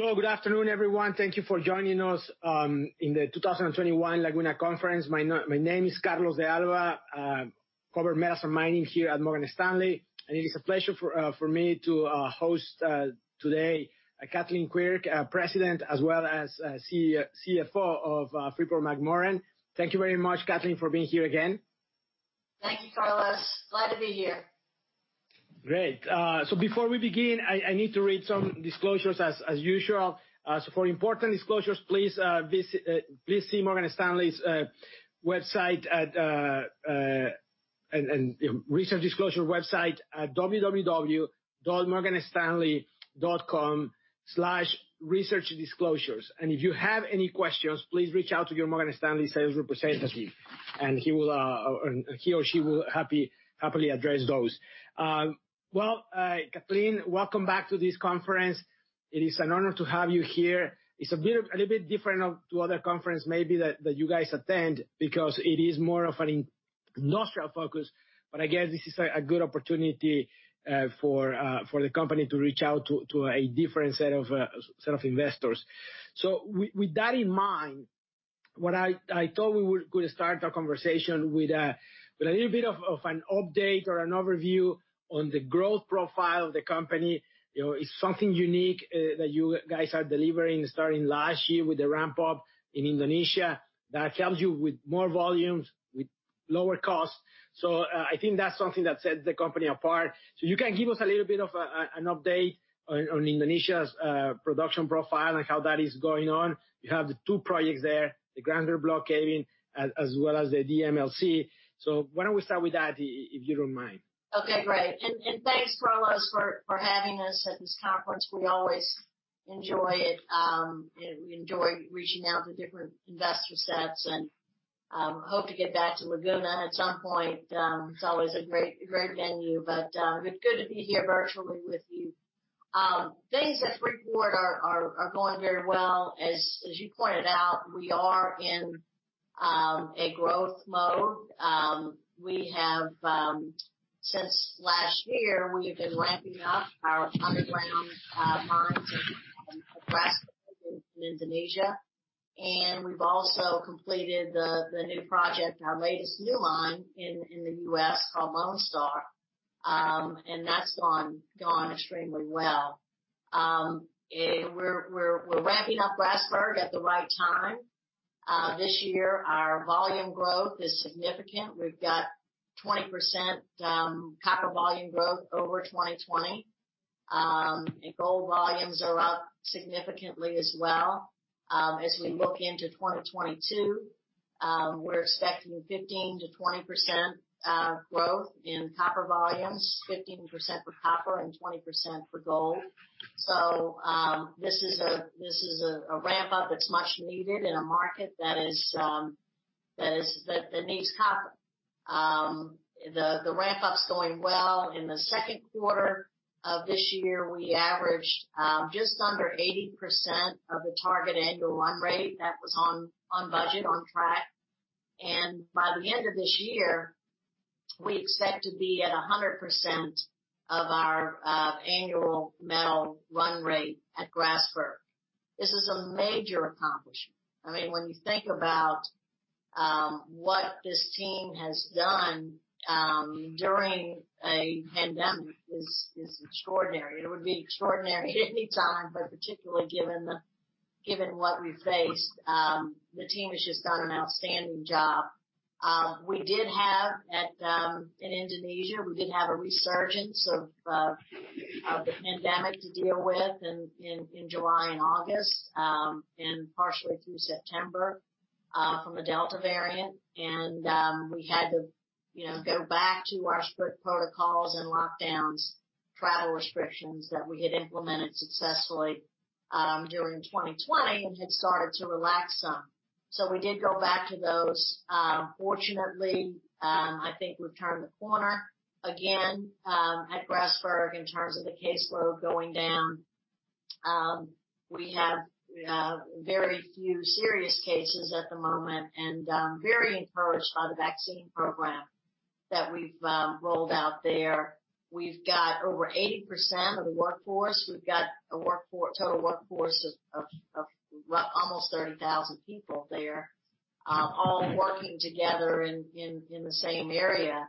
Hello. Good afternoon, everyone. Thank you for joining us in the 2021 Laguna Conference. My name is Carlos de Alba, cover Metals and Mining here at Morgan Stanley, it is a pleasure for me to host today, Kathleen Quirk, President, as well as CFO of Freeport-McMoRan. Thank you very much, Kathleen, for being here again. Thank you, Carlos. Glad to be here. Great. Before we begin, I need to read some disclosures as usual. For important disclosures, please see Morgan Stanley's research disclosure website at www.morganstanley.com/researchdisclosures. If you have any questions, please reach out to your Morgan Stanley sales representative, and he or she will happily address those. Well, Kathleen, welcome back to this conference. It is an honor to have you here. It's a little bit different to other conference maybe that you guys attend because it is more of an industrial focus, but I guess this is a good opportunity for the company to reach out to a different set of investors. With that in mind, what I thought we could start our conversation with a little bit of an update or an overview on the growth profile of the company. It's something unique that you guys are delivering starting last year with the ramp-up in Indonesia that helps you with more volumes, with lower costs. I think that's something that sets the company apart. You can give us a little bit of an update on Indonesia's production profile and how that is going on. You have the two projects there, the Grasberg Block Cave as well as the DMLZ. Why don't we start with that, if you don't mind? Okay, great. Thanks, Carlos, for having us at this conference. We always enjoy it. We enjoy reaching out to different investor sets and hope to get back to Laguna at some point. It's always a great venue, good to be here virtually with you. Things at Freeport are going very well. As you pointed out, we are in a growth mode. Since last year, we have been ramping up our underground mines in Indonesia, and we've also completed the new project, our latest new mine in the U.S. called Lone Star, and that's gone extremely well. We're ramping up Grasberg at the right time. This year, our volume growth is significant. We've got 20% copper volume growth over 2020. Gold volumes are up significantly as well. As we look into 2022, we're expecting 15%-20% growth in copper volumes, 15% for copper and 20% for gold. This is a ramp-up that's much needed in a market that needs copper. The ramp-up's going well. In the second quarter of this year, we averaged just under 80% of the target annual run rate. That was on budget, on track. By the end of this year, we expect to be at 100% of our annual metal run rate at Grasberg. This is a major accomplishment. When you think about what this team has done during a pandemic is extraordinary. It would be extraordinary at any time, but particularly given what we faced. The team has just done an outstanding job. In Indonesia, we did have a resurgence of the pandemic to deal with in July and August, and partially through September, from the Delta variant. We had to go back to our strict protocols and lockdowns, travel restrictions that we had implemented successfully during 2020 and had started to relax some. We did go back to those. Fortunately, I think we've turned the corner again at Grasberg in terms of the case load going down. We have very few serious cases at the moment, and I'm very encouraged by the vaccine program that we've rolled out there. We've got over 80% of the workforce. We've got a total workforce of almost 30,000 people there all working together in the same area.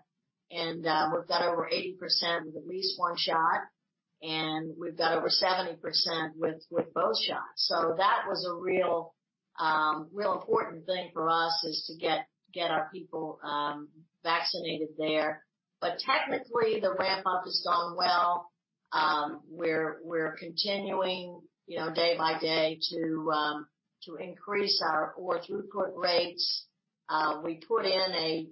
We've got over 80% with at least one shot, and we've got over 70% with both shots. That was a real important thing for us, is to get our people vaccinated there. Technically, the ramp-up has gone well. We're continuing day by day to increase our ore throughput rates. We put in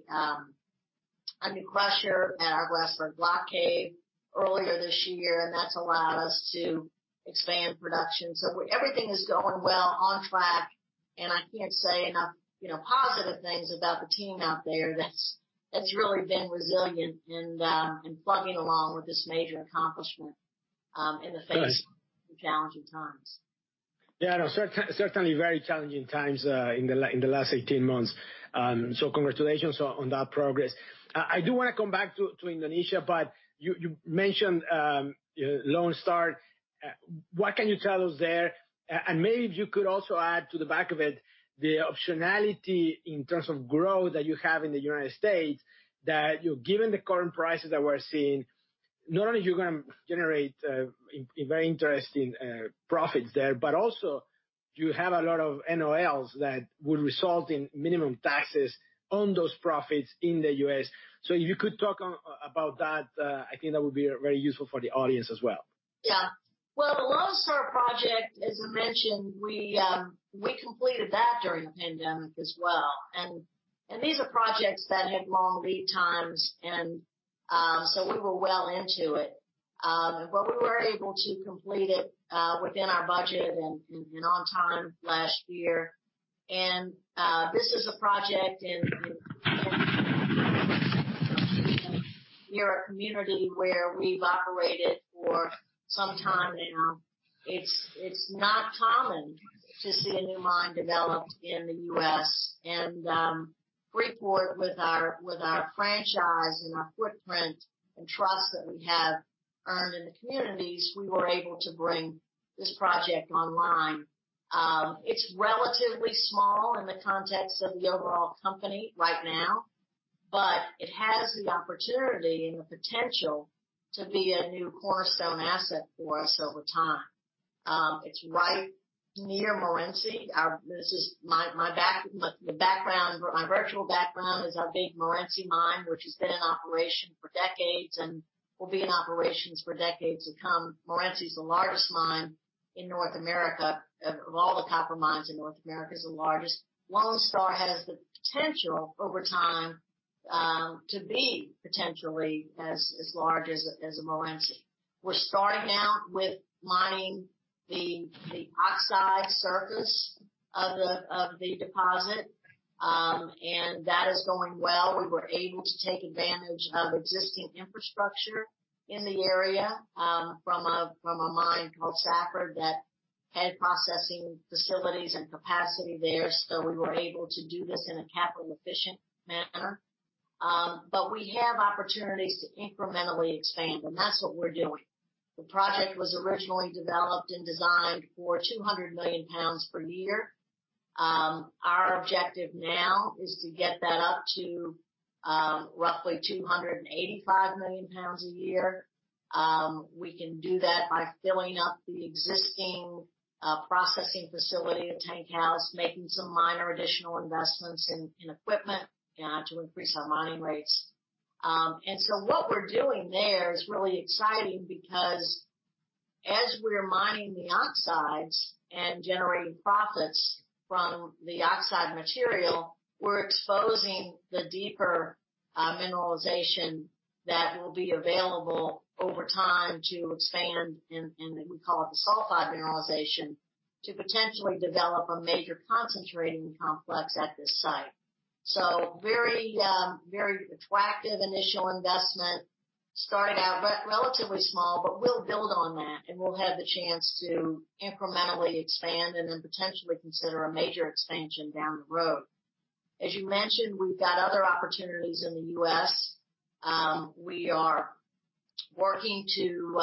a new crusher at our Grasberg Block Cave earlier this year. That's allowed us to expand production. Everything is going well, on track, and I can't say enough positive things about the team out there that's really been resilient in plugging along with this major accomplishment in the face of challenging times. Yeah, I know. Certainly very challenging times in the last 18 months. Congratulations on that progress. I do want to come back to Indonesia, you mentioned Lone Star. What can you tell us there? Maybe if you could also add to the back of it, the optionality in terms of growth that you have in the U.S., that given the current prices that we're seeing, not only are you going to generate very interesting profits there, but also you have a lot of NOLs that would result in minimum taxes on those profits in the U.S. If you could talk about that, I think that would be very useful for the audience as well. Yeah. The Lone Star project, as I mentioned, we completed that during the pandemic as well. These are projects that have long lead times, we were well into it. We were able to complete it within our budget and on time last year. This is a project in near a community where we've operated for some time now. It's not common to see a new mine developed in the U.S., Freeport with our franchise and our footprint and trust that we have earned in the communities, we were able to bring this project online. It's relatively small in the context of the overall company right now. It has the opportunity and the potential to be a new cornerstone asset for us over time. It's right near Morenci. My virtual background is our big Morenci mine, which has been in operation for decades and will be in operations for decades to come. Morenci is the largest mine in North America. Of all the copper mines in North America, it's the largest. Lone Star has the potential over time, to be potentially as large as Morenci. We're starting out with mining the oxide surface of the deposit, and that is going well. We were able to take advantage of existing infrastructure in the area, from a mine called Safford that had processing facilities and capacity there. We were able to do this in a capital efficient manner. We have opportunities to incrementally expand, and that's what we're doing. The project was originally developed and designed for 200 million lbs per year. Our objective now is to get that up to roughly 285 million lbs a year. We can do that by filling up the existing processing facility at Tank House, making some minor additional investments in equipment to increase our mining rates. What we're doing there is really exciting because as we're mining the oxides and generating profits from the oxide material, we're exposing the deeper mineralization that will be available over time to expand, and we call it the sulfide mineralization, to potentially develop a major concentrating complex at this site. Very attractive initial investment. Started out relatively small, but we'll build on that, and we'll have the chance to incrementally expand and then potentially consider a major expansion down the road. As you mentioned, we've got other opportunities in the U.S. We are working to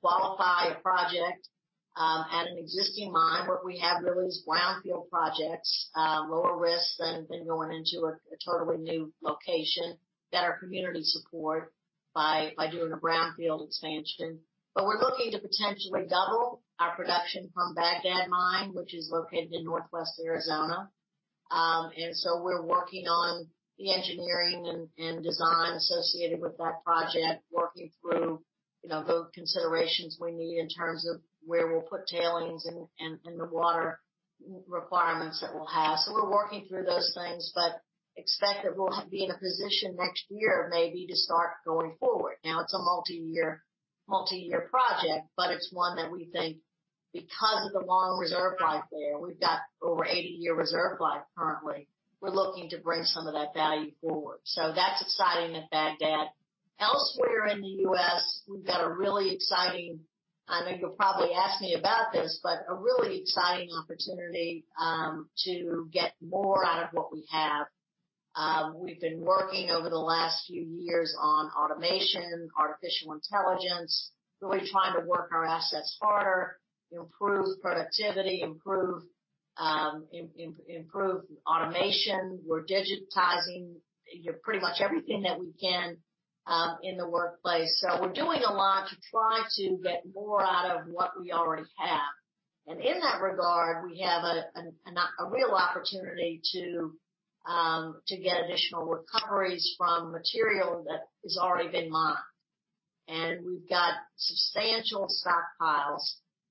qualify a project at an existing mine. What we have really is brownfield projects, lower risk than going into a totally new location that our community support by doing a brownfield expansion. We're looking to potentially double our production from Bagdad mine, which is located in northwest Arizona. We're working on the engineering and design associated with that project, working through those considerations we need in terms of where we'll put tailings and the water requirements that we'll have. We're working through those things, but expect that we'll be in a position next year maybe to start going forward. Now it's a multi-year project, but it's one that we think because of the long reserve life there, we've got over 80-year reserve life currently. We're looking to bring some of that value forward. That's exciting at Bagdad. Elsewhere in the U.S., we've got a really exciting, I think you'll probably ask me about this, but a really exciting opportunity to get more out of what we have. We've been working over the last few years on automation, artificial intelligence, really trying to work our assets harder, improve productivity, improve automation. We're digitizing pretty much everything that we can in the workplace. We're doing a lot to try to get more out of what we already have. In that regard, we have a real opportunity to get additional recoveries from material that has already been mined. We've got substantial stockpiles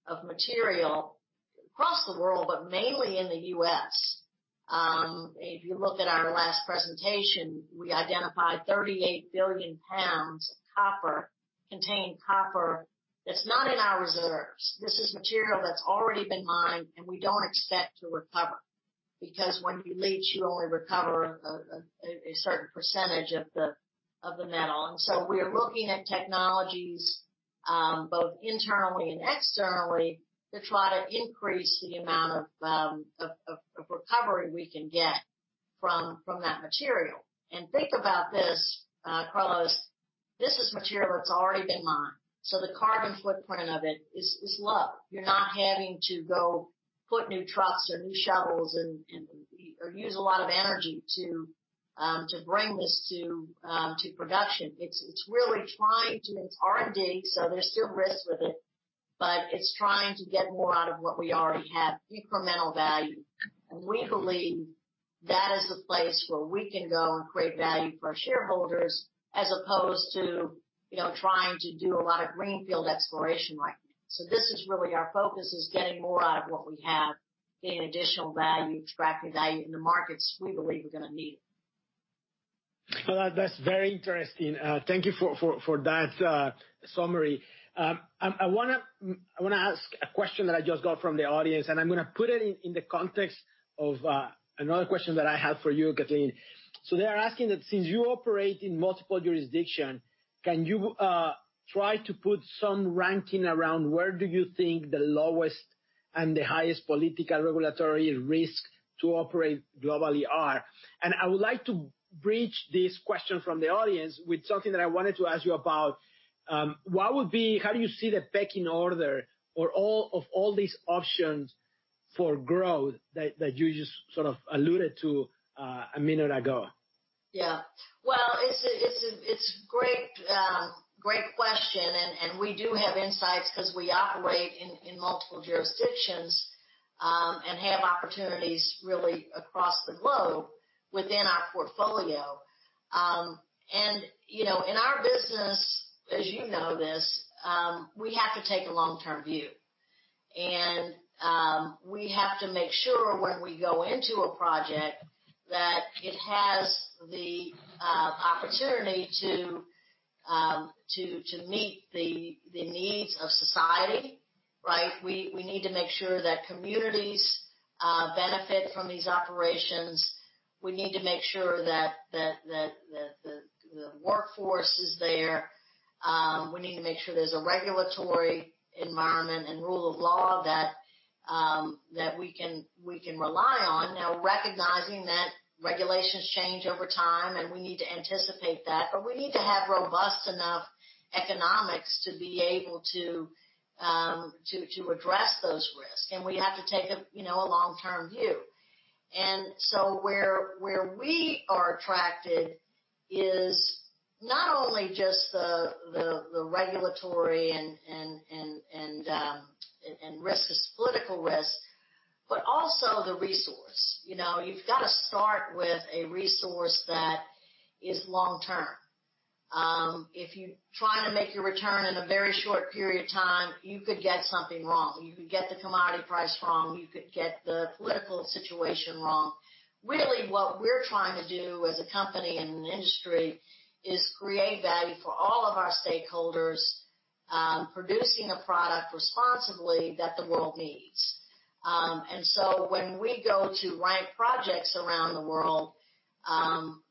of material across the world, but mainly in the U.S. If you look at our last presentation, we identified 38 billion lbs of copper, contained copper that's not in our reserves. This is material that's already been mined, and we don't expect to recover. Because when you leach, you only recover a certain percentage of the metal. We're looking at technologies, both internally and externally, to try to increase the amount of recovery we can get from that material. Think about this, Carlos, this is material that's already been mined. The carbon footprint of it is low. You're not having to go put new trucks or new shovels or use a lot of energy to bring this to production. It's R&D, so there's still risks with it, but it's trying to get more out of what we already have, incremental value. We believe that is a place where we can go and create value for our shareholders as opposed to trying to do a lot of greenfield exploration right now. This is really our focus, is getting more out of what we have, getting additional value, extracting value in the markets we believe are going to need it. Well, that's very interesting. Thank you for that summary. I want to ask a question that I just got from the audience, and I'm going to put it in the context of another question that I have for you, Kathleen. They're asking that since you operate in multiple jurisdiction, can you try to put some ranking around where do you think the lowest and the highest political regulatory risk to operate globally are? I would like to bridge this question from the audience with something that I wanted to ask you about, how do you see the pecking order of all these options for growth that you just sort of alluded to a minute ago? Yeah. Well, it's a great question. We do have insights because we operate in multiple jurisdictions, and have opportunities really across the globe within our portfolio. In our business, as you know this, we have to take a long-term view. We have to make sure when we go into a project that it has the opportunity to meet the needs of society, right? We need to make sure that communities benefit from these operations. We need to make sure that the workforce is there. We need to make sure there's a regulatory environment and rule of law that we can rely on. Now, recognizing that regulations change over time, and we need to anticipate that. We need to have robust enough economics to be able to address those risks. We have to take a long-term view. Where we are attracted is not only just the regulatory and risk, this political risk, but also the resource. You've got to start with a resource that is long-term. If you try to make your return in a very short period of time, you could get something wrong. You could get the commodity price wrong, you could get the political situation wrong. Really, what we're trying to do as a company and an industry is create value for all of our stakeholders, producing a product responsibly that the world needs. When we go to rank projects around the world,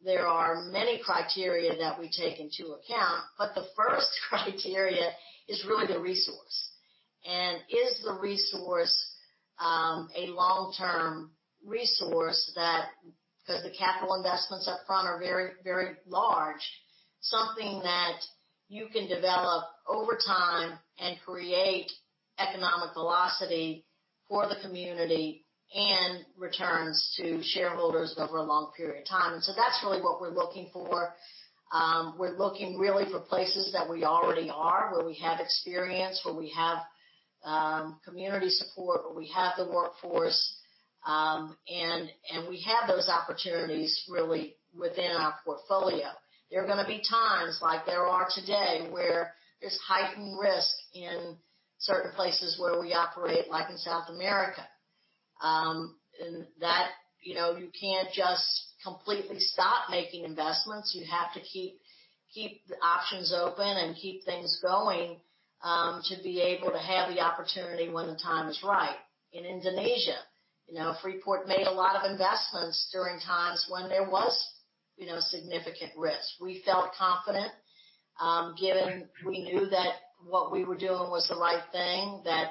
there are many criteria that we take into account, but the first criteria is really the resource. Is the resource a long-term resource that, because the capital investments up front are very, very large, something that you can develop over time and create economic velocity for the community and returns to shareholders over a long period of time. That's really what we're looking for. We're looking really for places that we already are, where we have experience, where we have community support, where we have the workforce. We have those opportunities really within our portfolio. There are going to be times, like there are today, where there's heightened risk in certain places where we operate, like in South America. You can't just completely stop making investments. You have to keep the options open and keep things going, to be able to have the opportunity when the time is right. In Indonesia, Freeport made a lot of investments during times when there was significant risk. We felt confident, given we knew that what we were doing was the right thing, that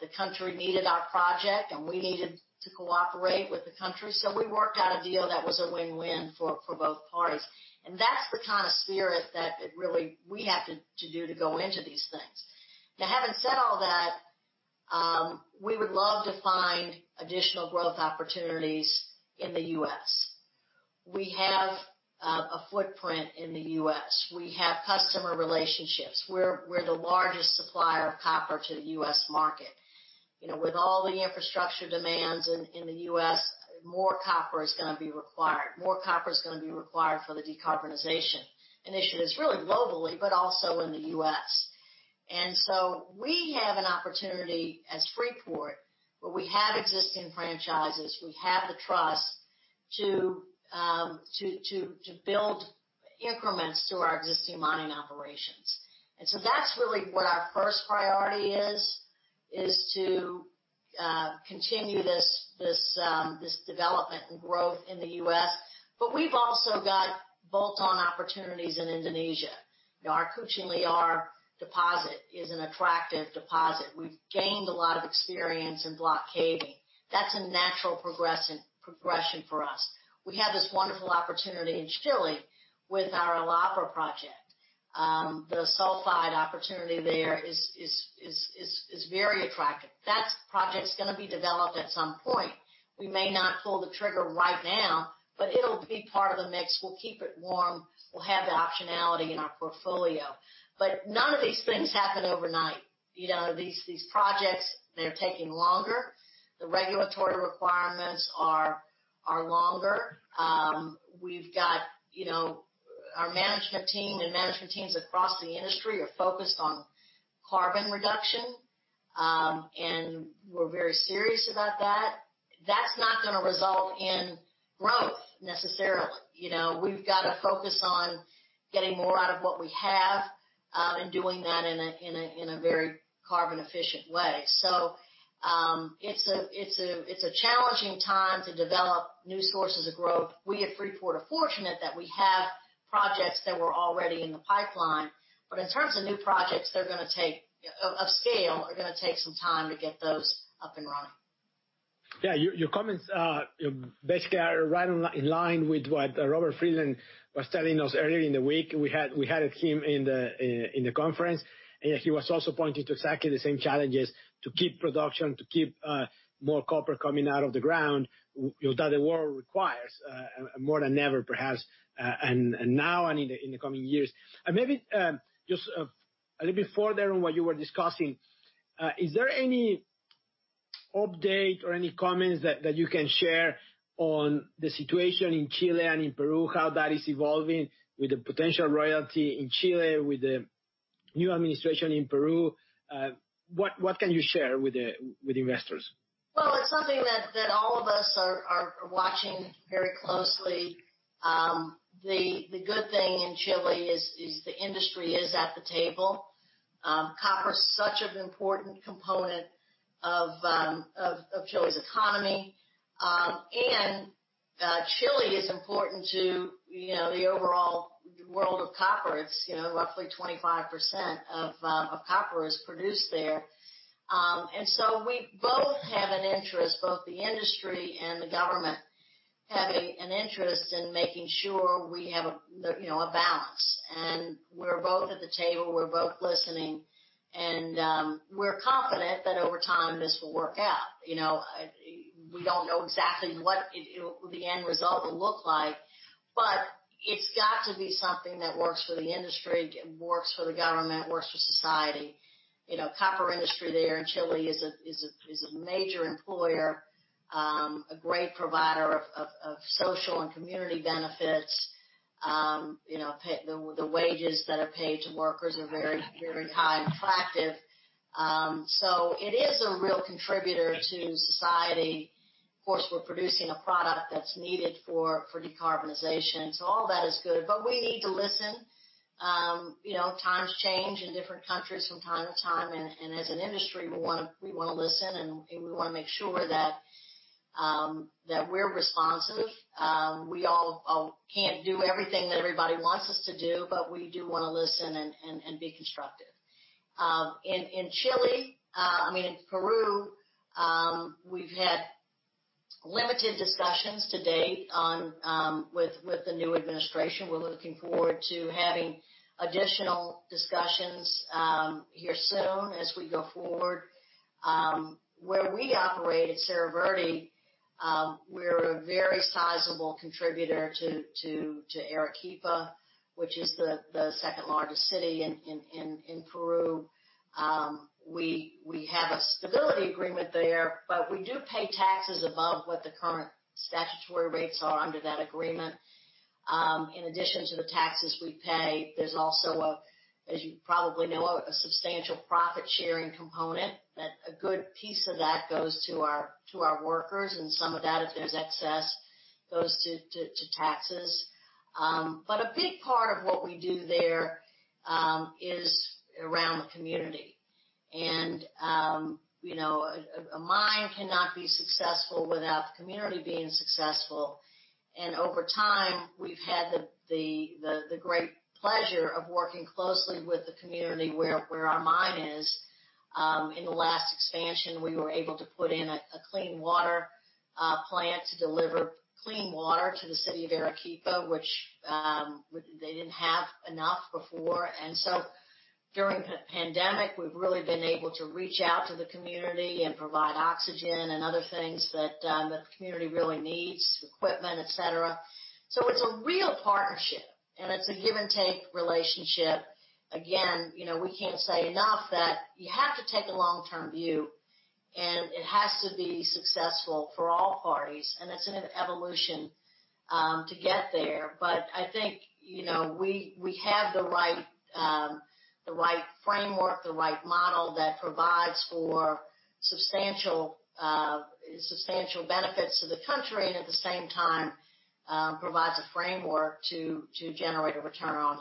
the country needed our project, and we needed to cooperate with the country. We worked out a deal that was a win-win for both parties. That's the kind of spirit that really we have to do to go into these things. Now, having said all that, we would love to find additional growth opportunities in the U.S. We have a footprint in the U.S. We have customer relationships. We're the largest supplier of copper to the U.S. market. With all the infrastructure demands in the U.S., more copper is going to be required. More copper is going to be required for the decarbonization initiatives, really globally, but also in the U.S. We have an opportunity as Freeport, where we have existing franchises, we have the trust to build increments to our existing mining operations. That's really what our first priority is to continue this development and growth in the U.S. We've also got bolt-on opportunities in Indonesia. Our Kucing Liar deposit is an attractive deposit. We've gained a lot of experience in block caving. That's a natural progression for us. We have this wonderful opportunity in Chile with our El Abra project. The sulfide opportunity there is very attractive. That project's going to be developed at some point. We may not pull the trigger right now, but it'll be part of the mix. We'll keep it warm. We'll have the optionality in our portfolio. None of these things happen overnight. These projects, they're taking longer. The regulatory requirements are longer. Our management team and management teams across the industry are focused on carbon reduction, and we're very serious about that. That's not going to result in growth necessarily. We've got to focus on getting more out of what we have, and doing that in a very carbon-efficient way. It's a challenging time to develop new sources of growth. We at Freeport are fortunate that we have projects that were already in the pipeline. In terms of new projects of scale, are going to take some time to get those up and running. Yeah. Your comments basically are right in line with what Robert Friedland was telling us earlier in the week. We had him in the conference, and he was also pointing to exactly the same challenges to keep production, to keep more copper coming out of the ground that the world requires more than ever, perhaps, now and in the coming years. Maybe just a little bit further on what you were discussing, is there any update or any comments that you can share on the situation in Chile and in Peru, how that is evolving with the potential royalty in Chile, with the new administration in Peru? What can you share with investors? Well, it's something that all of us are watching very closely. The good thing in Chile is the industry is at the table. Copper is such an important component of Chile's economy. Chile is important to the overall world of copper. Roughly 25% of copper is produced there. We both have an interest, both the industry and the government having an interest in making sure we have a balance. We're both at the table, we're both listening, and we're confident that over time this will work out. We don't know exactly what the end result will look like, but it's got to be something that works for the industry, works for the government, works for society. Copper industry there in Chile is a major employer, a great provider of social and community benefits. The wages that are paid to workers are very high and attractive. It is a real contributor to society. Of course, we're producing a product that's needed for decarbonization. All that is good, but we need to listen. Times change in different countries from time to time, and as an industry, we want to listen, and we want to make sure that we're responsive. We all can't do everything that everybody wants us to do, but we do want to listen and be constructive. In Peru, we've had limited discussions to date with the new administration. We're looking forward to having additional discussions here soon as we go forward. Where we operate at Cerro Verde, we're a very sizable contributor to Arequipa, which is the second-largest city in Peru. We have a stability agreement there, but we do pay taxes above what the current statutory rates are under that agreement. In addition to the taxes we pay, there's also, as you probably know, a substantial profit-sharing component that a good piece of that goes to our workers, and some of that, if there's excess, goes to taxes. A big part of what we do there is around the community. A mine cannot be successful without the community being successful. Over time, we've had the great pleasure of working closely with the community where our mine is. In the last expansion, we were able to put in a clean water plant to deliver clean water to the City of Arequipa, which they didn't have enough before. During the pandemic, we've really been able to reach out to the community and provide oxygen and other things that the community really needs, equipment, et cetera. It's a real partnership, and it's a give-and-take relationship. We can't say enough that you have to take a long-term view, and it has to be successful for all parties, and it's an evolution to get there. I think we have the right framework, the right model that provides for substantial benefits to the country, and at the same time, provides a framework to generate a ROI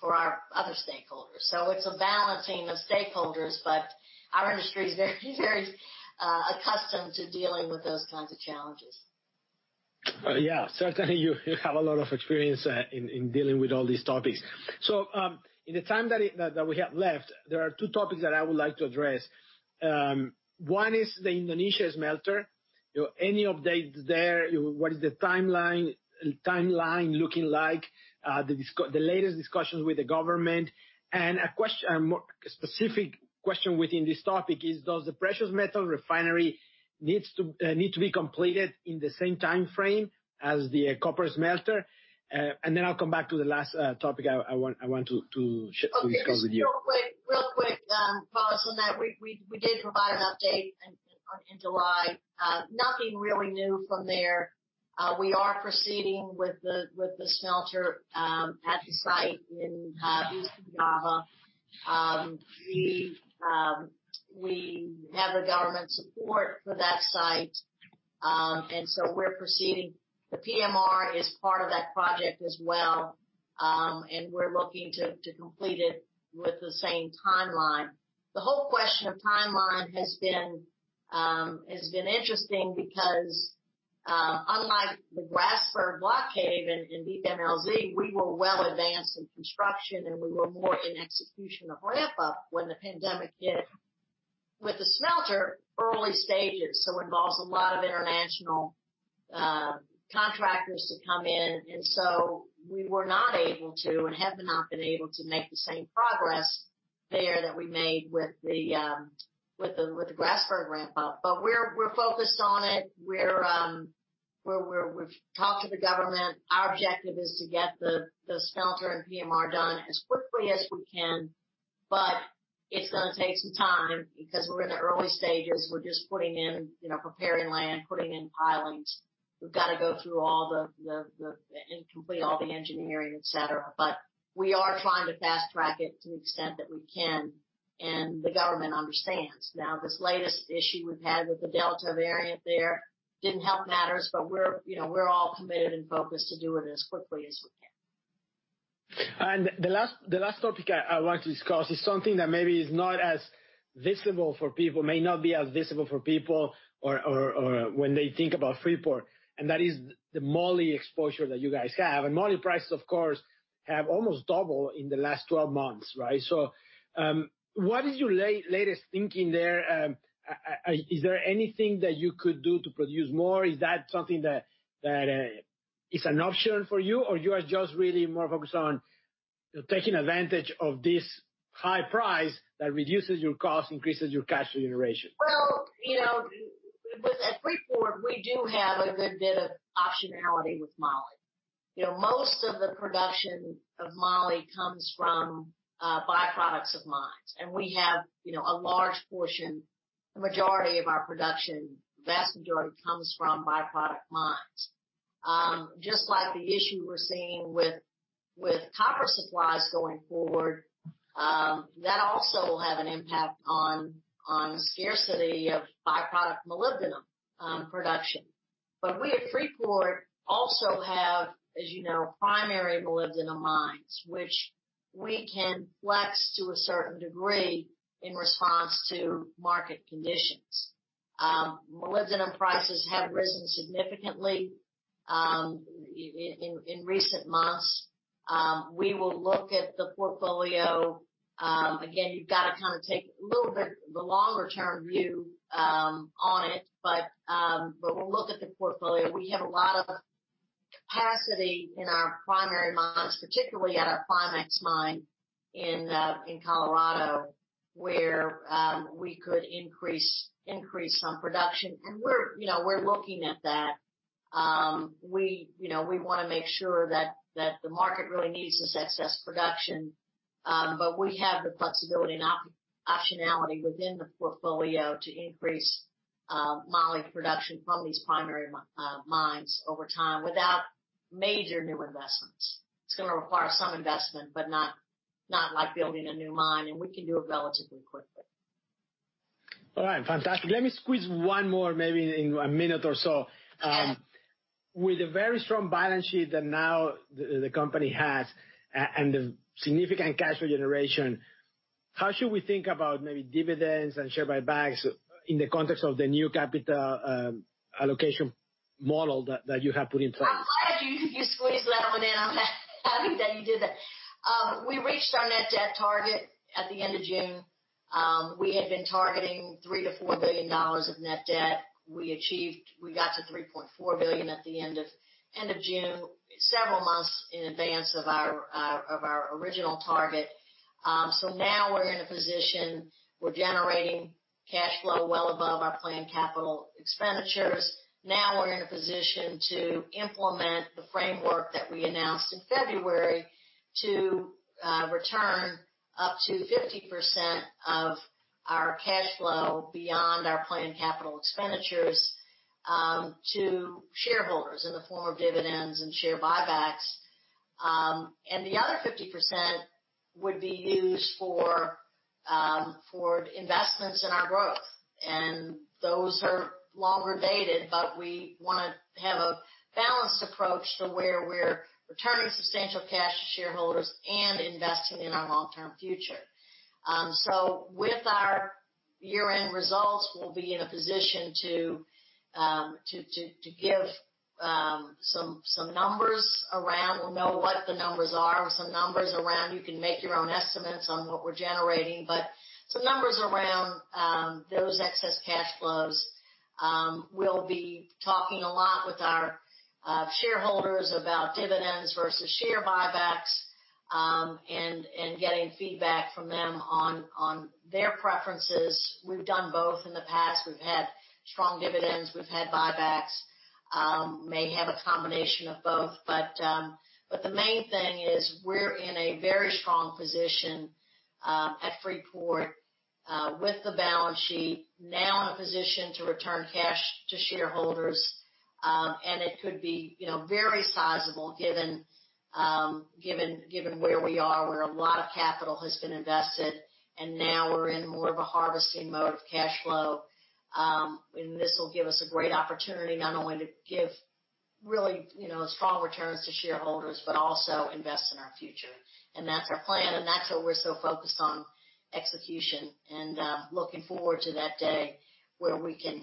for our other stakeholders. It's a balancing of stakeholders, but our industry is very accustomed to dealing with those kinds of challenges. Yeah. Certainly, you have a lot of experience in dealing with all these topics. In the time that we have left, there are two topics that I would like to address. One is the Indonesia smelter. Any updates there? What is the timeline looking like? The latest discussions with the government, and a more specific question within this topic is, does the precious metal refinery need to be completed in the same timeframe as the copper smelter? Then I'll come back to the last topic I want to discuss with you. Okay. Just real quick, Carlos, on that, we did provide an update in July. Nothing really new from there. We are proceeding with the smelter at the site in East Java. We have the government support for that site. We're proceeding. The PMR is part of that project as well. We're looking to complete it with the same timeline. The whole question of timeline has been interesting because, unlike the Grasberg Block Cave in DMLZ, we were well advanced in construction, and we were more in execution of ramp-up when the pandemic hit. With the smelter, early stages, so involves a lot of international contractors to come in. We were not able to, and have not been able to make the same progress there that we made with the Grasberg ramp-up. We're focused on it. We've talked to the government. Our objective is to get the smelter and PMR done as quickly as we can, but it's going to take some time because we're in the early stages. We're just preparing land, putting in pilings. We've got to go through and complete all the engineering, et cetera. We are trying to fast-track it to the extent that we can, and the government understands. This latest issue we've had with the Delta variant there didn't help matters, but we're all committed and focused to do it as quickly as we can. The last topic I want to discuss is something that maybe may not be as visible for people or when they think about Freeport, and that is the moly exposure that you guys have. Moly prices, of course, have almost doubled in the last 12 months. Right? What is your latest thinking there? Is there anything that you could do to produce more? Is that something that is an option for you, or you are just really more focused on taking advantage of this high price that reduces your cost, increases your cash generation? Well, at Freeport, we do have a good bit of optionality with moly. Most of the production of moly comes from by-products of mines. We have a large portion, the majority of our production, the vast majority, comes from by-product mines. Just like the issue we're seeing with copper supplies going forward, that also will have an impact on scarcity of by-product molybdenum production. We at Freeport also have, as you know, primary molybdenum mines, which we can flex to a certain degree in response to market conditions. Molybdenum prices have risen significantly in recent months. We will look at the portfolio. Again, you've got to take a little bit the longer-term view on it. We'll look at the portfolio. We have a lot of capacity in our primary mines, particularly at our Climax mine in Colorado, where we could increase some production. We're looking at that. We want to make sure that the market really needs this excess production. We have the flexibility and optionality within the portfolio to increase moly production from these primary mines over time without major new investments. It's going to require some investment, but not like building a new mine, and we can do it relatively quickly. All right. Fantastic. Let me squeeze one more, maybe in a minute or so. Sure. With a very strong balance sheet that now the company has and the significant cash generation, how should we think about maybe dividends and share buybacks in the context of the new capital allocation model that you have put in place? I'm glad you squeezed that one in. I'm happy that you did that. We reached our net debt target at the end of June. We had been targeting $3 billion-$4 billion of net debt. We got to $3.4 billion at the end of June, several months in advance of our original target. Now we're in a position, we're generating cash flow well above our planned capital expenditures. Now we're in a position to implement the framework that we announced in February to return up to 50% of our cash flow beyond our planned capital expenditures to shareholders in the form of dividends and share buybacks. The other 50% would be used for investments in our growth. Those are longer dated, but we want to have a balanced approach to where we're returning substantial cash to shareholders and investing in our long-term future. With our year-end results, we'll be in a position to give some numbers around. We'll know what the numbers are or some numbers around. You can make your own estimates on what we're generating, some numbers around those excess cash flows. We'll be talking a lot with our shareholders about dividends versus share buybacks, getting feedback from them on their preferences. We've done both in the past. We've had strong dividends, we've had buybacks. May have a combination of both. The main thing is we're in a very strong position at Freeport with the balance sheet now in a position to return cash to shareholders. It could be very sizable given where we are, where a lot of capital has been invested, and now we're in more of a harvesting mode of cash flow. This will give us a great opportunity not only to give really strong returns to shareholders, but also invest in our future. That's our plan, and that's why we're so focused on execution and looking forward to that day where we can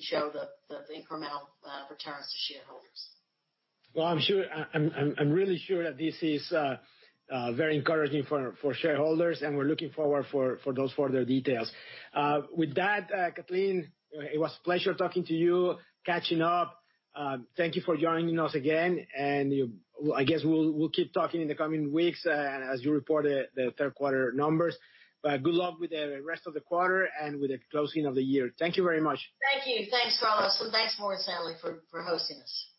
show the incremental returns to shareholders. Well, I'm really sure that this is very encouraging for shareholders, and we're looking forward for those further details. With that, Kathleen, it was a pleasure talking to you, catching up. Thank you for joining us again, and I guess we'll keep talking in the coming weeks as you report the third quarter numbers. Good luck with the rest of the quarter and with the closing of the year. Thank you very much. Thank you. Thanks, Carlos, and thanks Morgan Stanley for hosting us.